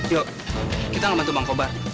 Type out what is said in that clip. yuk kita ngebantu bang kobar